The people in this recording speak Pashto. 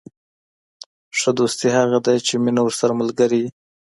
ښه دوستي هغه ده، چي مینه ورسره ملګرې يي.